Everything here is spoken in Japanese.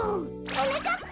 はなかっぱ！